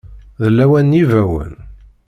D lawan n yibawen.